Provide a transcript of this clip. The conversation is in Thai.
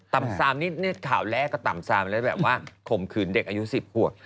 ต่ำซามข่าวแรกก็ต่ำซามแล้วแบบว่าขมคืนเด็กอายุสิบคูก